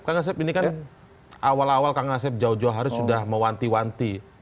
kang asep ini kan awal awal kang asep jauh jauh hari sudah mewanti wanti